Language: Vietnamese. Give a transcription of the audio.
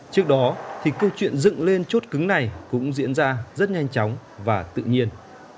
trước đó thì câu chuyện dựng lên chốt cứng này cũng diễn ra rất nhanh chóng và tự nhiên